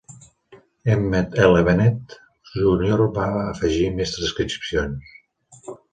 Emmett L. Bennett, júnior va afegir més transcripcions.